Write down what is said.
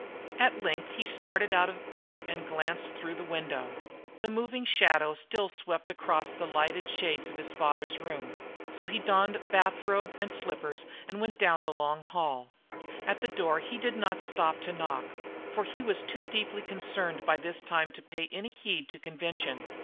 At length he started out of bed and glanced through the window. The moving shadow still swept across the lighted shades of his father's room; so he donned bathrobe and slippers and went down the long hall. At the door he did not stop to knock, for he was too deeply concerned by this time to pay any heed to convention.